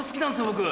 僕。